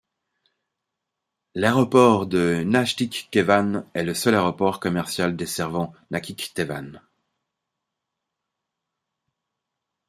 L'aéroport de Nakhitchevan est le seul aéroport commercial desservant Nakhitchevan.